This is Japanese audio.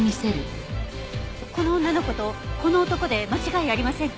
この女の子とこの男で間違いありませんか？